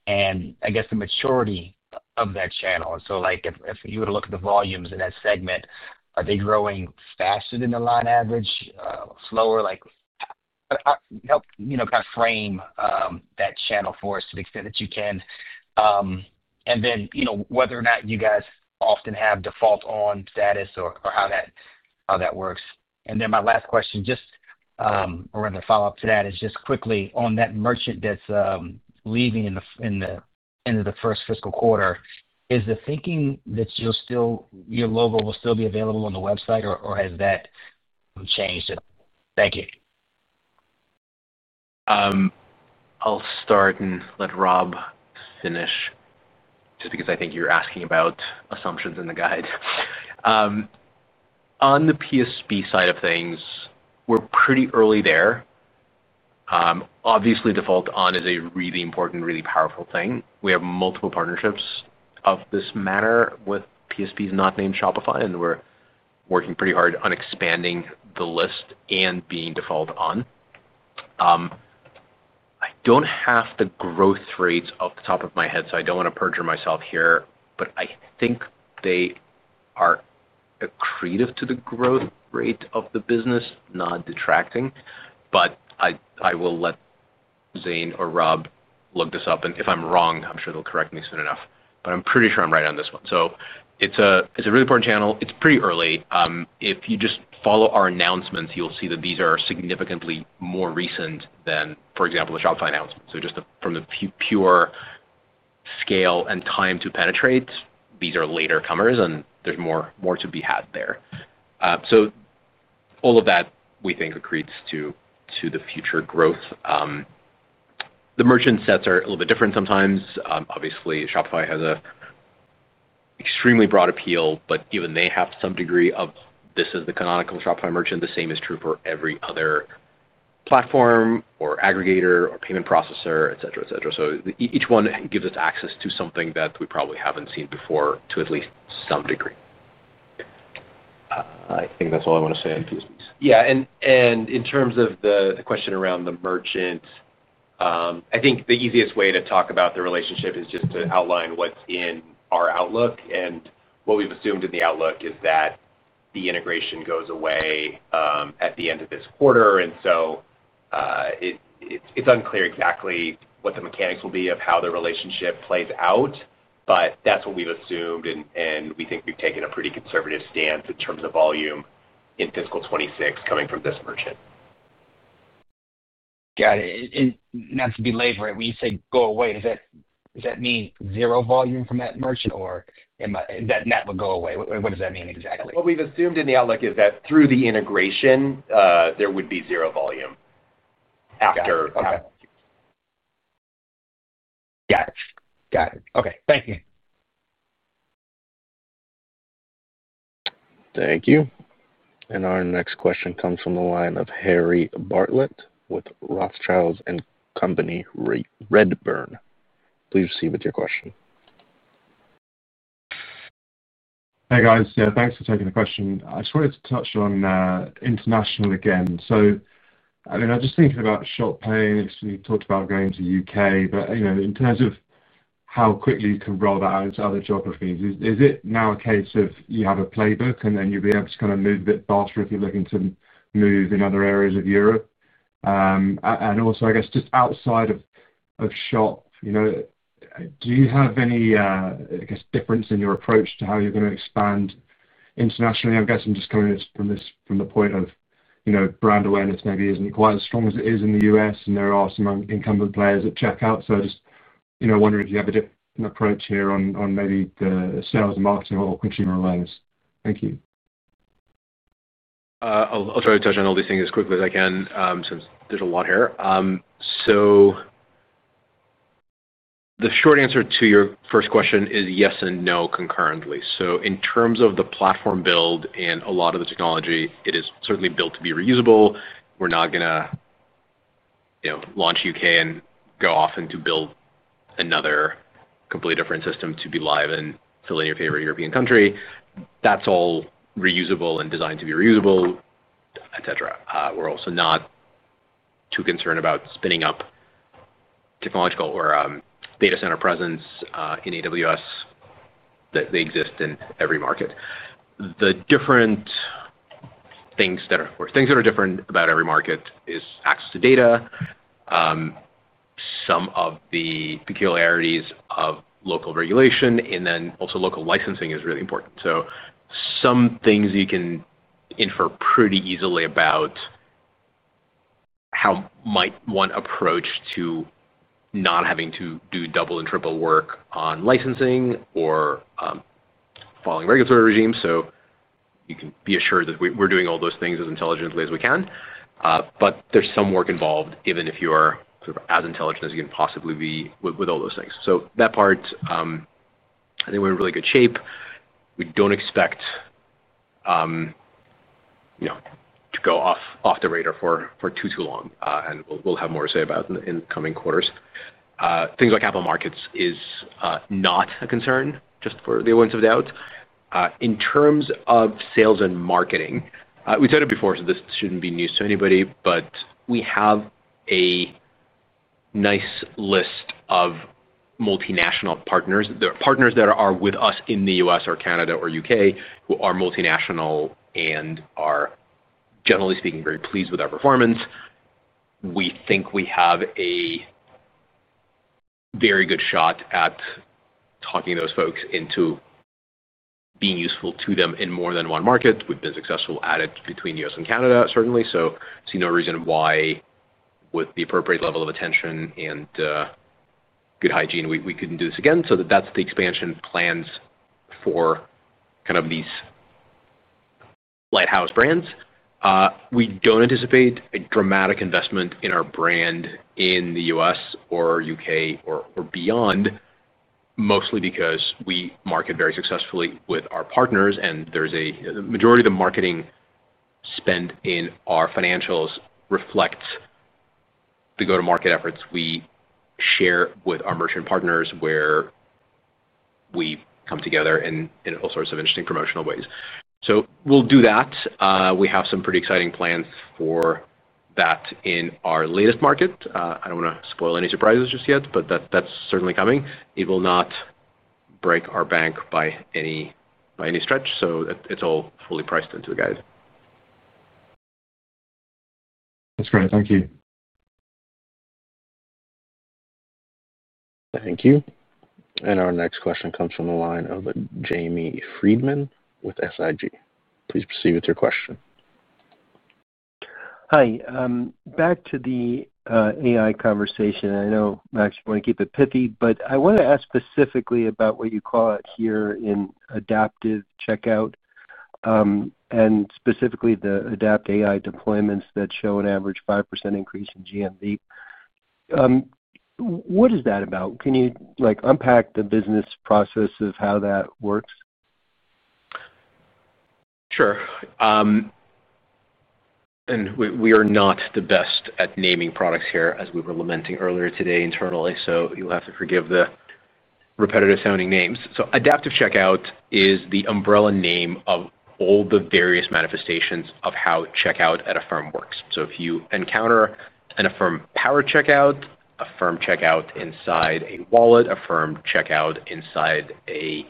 and I guess the maturity of that channel? If you were to look at the volumes in that segment, are they growing faster than the line average, slower? Help, you know, kind of frame that channel for us to the extent that you can. Whether or not you guys often have default on status or how that works. My last question, just or rather follow up to that is just quickly on that merchant that's leaving in the end of the first fiscal quarter, is the thinking that you're still, your logo will still be available on the website, or has that changed? Thank you. I'll start and let Rob finish just because I think you're asking about assumptions in the guide. On the PSP side of things, we're pretty early there. Obviously, default on is a really important, really powerful thing. We have multiple partnerships of this matter with PSPs not named Shopify, and we're working pretty hard on expanding the list and being default on. I don't have the growth rates off the top of my head, so I don't want to perjure myself here, but I think they are accretive to the growth rate of the business, not detracting. I will let Zane or Rob look this up, and if I'm wrong, I'm sure they'll correct me soon enough. I'm pretty sure I'm right on this one. It's a really important channel. It's pretty early. If you just follow our announcements, you'll see that these are significantly more recent than, for example, the Shopify announcement. Just from the pure scale and time to penetrate, these are later comers, and there's more to be had there. All of that, we think, accretes to the future growth. The merchant sets are a little bit different sometimes. Obviously, Shopify has an extremely broad appeal, but given they have some degree of this as the canonical Shopify merchant, the same is true for every other platform or aggregator or payment processor, etc., etc. Each one gives us access to something that we probably haven't seen before to at least some degree. I think that's all I want to say on PSPs. Yeah, in terms of the question around the merchant, I think the easiest way to talk about the relationship is just to outline what's in our outlook. What we've assumed in the outlook is that the integration goes away at the end of this quarter. It's unclear exactly what the mechanics will be of how the relationship plays out, but that's what we've assumed. We think we've taken a pretty conservative stance in terms of volume in fiscal 2026 coming from this merchant. Got it. When you say go away, does that mean zero volume from that merchant, or is that net will go away? What does that mean exactly? What we've assumed in the outlook is that through the integration, there would be zero volume after. Got it. Got it. Okay. Thank you. Thank you. Our next question comes from the line of Harry Bartlett with Rothschild & Company Redburn. Please proceed with your question. Hey guys, yeah, thanks for taking the question. I just wanted to touch on international again. I'm just thinking about ShopPay. We talked about going to the UK, but in terms of how quickly you can roll that out into other geographies, is it now a case of you have a playbook and then you'll be able to kind of move a bit faster if you're looking to move in other areas of Europe? Also, I guess just outside of Shop, do you have any difference in your approach to how you're going to expand internationally? I'm just coming from this from the point of, you know, brand awareness maybe isn't quite as strong as it is in the U.S., and there are some incumbent players at checkout. I just wonder if you have a different approach here on maybe the sales and marketing or quickly more awareness. Thank you. I'll try to touch on all these things as quickly as I can since there's a lot here. The short answer to your first question is yes and no concurrently. In terms of the platform build and a lot of the technology, it is certainly built to be reusable. We're not going to, you know, launch U.K. and go off and build another completely different system to be live in Italy or favorite European country. That's all reusable and designed to be reusable, etc. We're also not too concerned about spinning up technological or data center presence in AWS. They exist in every market. The things that are different about every market are access to data, some of the peculiarities of local regulation, and then also local licensing is really important. Some things you can infer pretty easily about how one might approach not having to do double and triple work on licensing or following regulatory regimes. You can be assured that we're doing all those things as intelligently as we can. There's some work involved, even if you are as intelligent as you can possibly be with all those things. That part, I think we're in really good shape. We don't expect to go off the radar for too, too long. We'll have more to say about it in the coming quarters. Things like Apple Markets are not a concern, just for the ones of doubt. In terms of sales and marketing, we've said it before, so this shouldn't be news to anybody, but we have a nice list of multinational partners. There are partners that are with us in the U.S. or Canada or U.K. who are multinational and are, generally speaking, very pleased with our performance. We think we have a very good shot at talking those folks into being useful to them in more than one market. We've been successful at it between the U.S. and Canada, certainly. I see no reason why, with the appropriate level of attention and good hygiene, we couldn't do this again. That's the expansion plans for these lighthouse brands. We don't anticipate a dramatic investment in our brand in the U.S. or U.K. or beyond, mostly because we market very successfully with our partners. The majority of the marketing spend in our financials reflects the go-to-market efforts we share with our merchant partners where we come together in all sorts of interesting promotional ways. We'll do that. We have some pretty exciting plans for that in our latest market. I don't want to spoil any surprises just yet, but that's certainly coming. It will not break our bank by any stretch. It's all fully priced into the guide. That's great. Thank you. Thank you. Our next question comes from the line of Jamie Friedman with SFG. Please proceed with your question. Hi. Back to the AI conversation. I know, Max, you want to keep it pithy, but I want to ask specifically about what you call it here in Adaptive Checkout and specifically the Adapt AI deployments that show an average 5% increase in GMV. What is that about? Can you unpack the business process of how that works? Sure. We are not the best at naming products here, as we were lamenting earlier today internally. You'll have to forgive the repetitive sounding names. Adaptive Checkout is the umbrella name of all the various manifestations of how checkout at Affirm works. If you encounter an Affirm-powered checkout, Affirm checkout inside a wallet, Affirm checkout inside a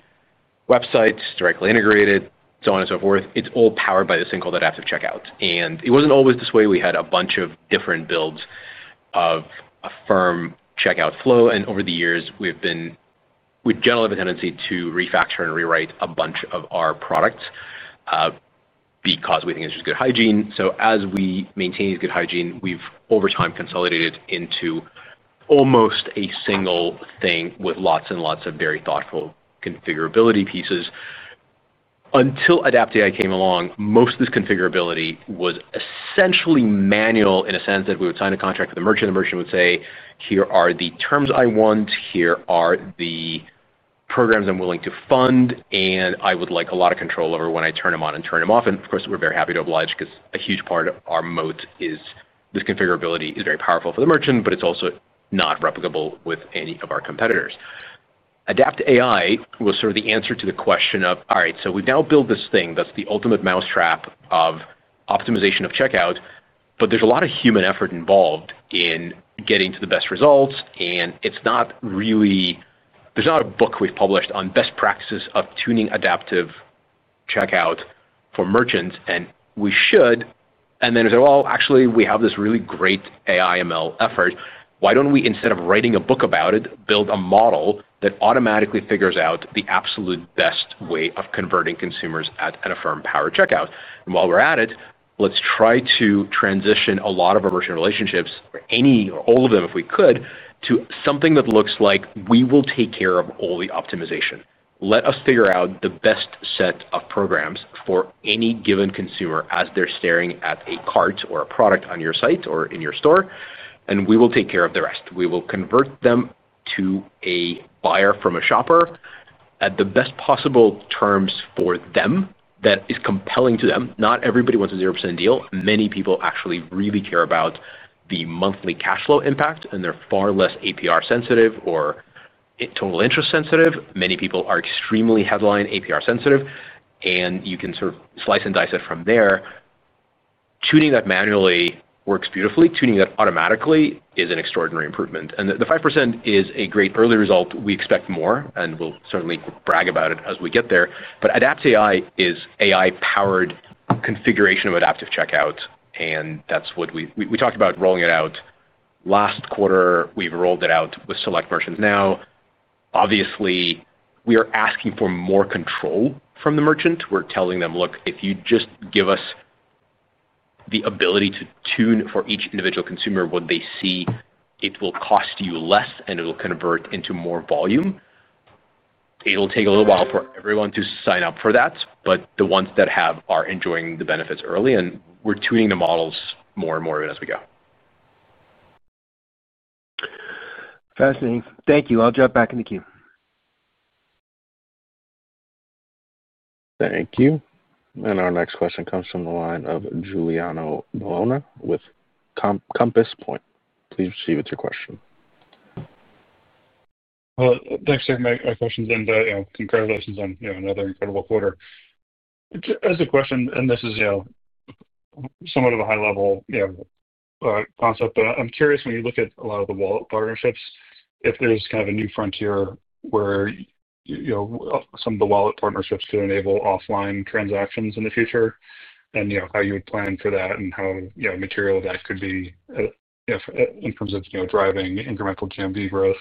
website directly integrated, and so on, it's all powered by this thing called Adaptive Checkout. It wasn't always this way. We had a bunch of different builds of Affirm checkout flow. Over the years, we generally have a tendency to refactor and rewrite a bunch of our products because we think it's just good hygiene. As we maintain good hygiene, we've over time consolidated it into almost a single thing with lots and lots of very thoughtful configurability pieces. Until Adapt AI came along, most of this configurability was essentially manual in the sense that we would sign a contract with a merchant. The merchant would say, "Here are the terms I want. Here are the programs I'm willing to fund. I would like a lot of control over when I turn them on and turn them off." Of course, we're very happy to oblige because a huge part of our moat is this configurability. It is very powerful for the merchant, but it's also not replicable with any of our competitors. Adapt AI was sort of the answer to the question of, "All right, we've now built this thing that's the ultimate mousetrap of optimization of checkout, but there's a lot of human effort involved in getting to the best results. It's not really, there's not a book we've published on best practices of tuning Adaptive Checkout for merchants. We should." We then said, "Actually, we have this really great AI ML effort. Why don't we, instead of writing a book about it, build a model that automatically figures out the absolute best way of converting consumers at an Affirm-powered checkout? While we're at it, let's try to transition a lot of our merchant relationships, or any or all of them if we could, to something that looks like we will take care of all the optimization. Let us figure out the best set of programs for any given consumer as they're staring at a cart or a product on your site or in your store. We will take care of the rest. We will convert them to a buyer from a shopper at the best possible terms for them that is compelling to them. Not everybody wants a 0% deal." Many people actually really care about the monthly cash flow impact, and they're far less APR sensitive or total interest sensitive. Many people are extremely headline APR sensitive. You can sort of slice and dice it from there. Tuning that manually works beautifully. Tuning that automatically is an extraordinary improvement. The 5% is a great early result. We expect more, and we'll certainly brag about it as we get there. Adapt AI is AI-powered configuration of Adaptive Checkout. That's what we talked about rolling out last quarter. We've rolled it out with select merchants now. Obviously, we are asking for more control from the merchant. We're telling them, "Look, if you just give us the ability to tune for each individual consumer what they see, it will cost you less, and it'll convert into more volume." It'll take a little while for everyone to sign up for that, but the ones that have are enjoying the benefits early, and we're tuning the models more and more of it as we go. Fascinating. Thank you. I'll jump back in the queue. Thank you. Our next question comes from the line of Giuliano Molona with Compass Point. Please proceed with your question. Thanks for taking my questions, and congratulations on another incredible quarter. As a question, and this is somewhat of a high-level concept, I'm curious when you look at a lot of the wallet partnerships, if there's kind of a new frontier where some of the wallet partnerships could enable offline transactions in the future, how you would plan for that, and how material that could be in terms of driving incremental GMV growth.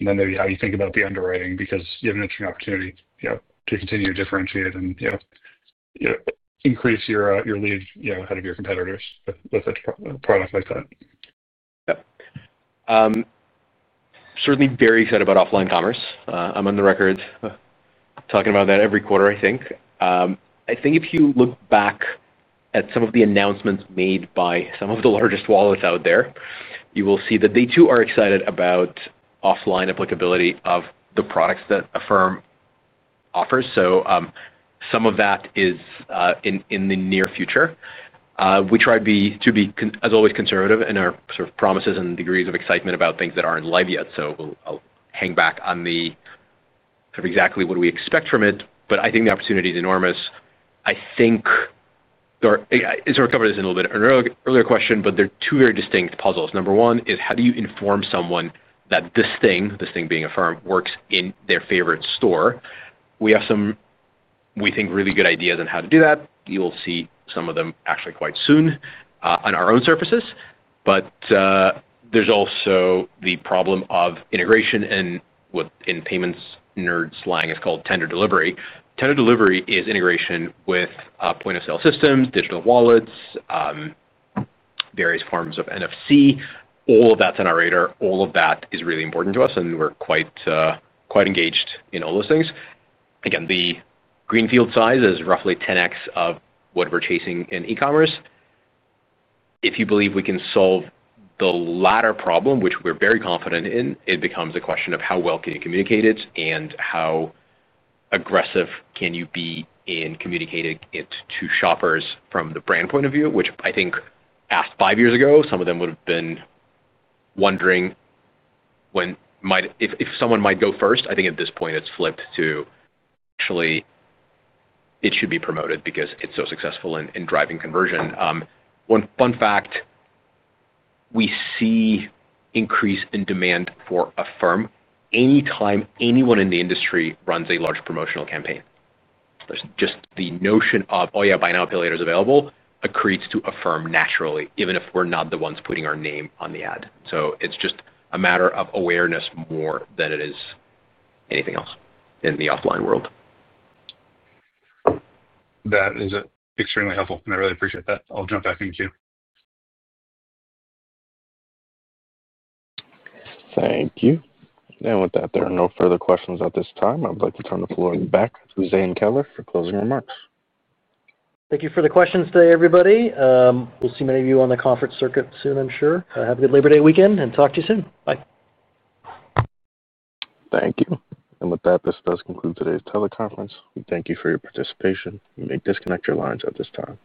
Maybe how you think about the underwriting because you have an interesting opportunity to continue to differentiate and increase your lead ahead of your competitors with a product like that. Certainly very excited about offline commerce. I'm on the record talking about that every quarter, I think. If you look back at some of the announcements made by some of the largest wallets out there, you will see that they too are excited about offline applicability of the products that Affirm offers. Some of that is in the near future. We try to be, as always, conservative in our sort of promises and degrees of excitement about things that aren't live yet. I'll hang back on exactly what we expect from it. I think the opportunity is enormous. I covered this in a little bit earlier question, but there are two very distinct puzzles. Number one is how do you inform someone that this thing, this thing being Affirm, works in their favorite store? We have some, we think, really good ideas on how to do that. You will see some of them actually quite soon on our own surfaces. There's also the problem of integration and what in payments nerd slang is called tender delivery. Tender delivery is integration with point of sale systems, digital wallets, various forms of NFC. All of that's on our radar. All of that is really important to us, and we're quite engaged in all those things. The greenfield size is roughly 10x of what we're chasing in e-commerce. If you believe we can solve the latter problem, which we're very confident in, it becomes a question of how well can you communicate it and how aggressive can you be in communicating it to shoppers from the brand point of view, which I think asked five years ago, some of them would have been wondering if someone might go first. At this point it's flipped to actually it should be promoted because it's so successful in driving conversion. One fun fact, we see an increase in demand for Affirm anytime anyone in the industry runs a large promotional campaign. There's just the notion of, "Oh yeah, buy now, pay later is available," accretes to Affirm naturally, even if we're not the ones putting our name on the ad. It's just a matter of awareness more than it is anything else in the offline world. That is extremely helpful, and I really appreciate that. I'll jump back in Q. Thank you. With that, there are no further questions at this time. I'd like to turn the floor back to Zane Keller for closing remarks. Thank you for the questions today, everybody. We'll see many of you on the conference circuit soon, I'm sure. Have a good Labor Day weekend and talk to you soon. Bye. Thank you. With that, this does conclude today's teleconference. We thank you for your participation. You may disconnect your lines at this time.